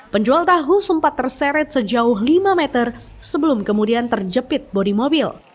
penjual tahu sempat terseret sejauh lima meter sebelum kemudian terjepit bodi mobil